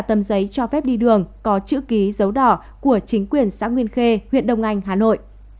tấm giấy cho phép đi đường có chữ ký dấu đỏ của chính quyền xã nguyên khê huyện đông anh hà nội